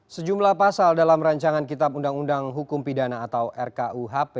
sejumlah pasal dalam rancangan kitab undang undang hukum pidana atau rkuhp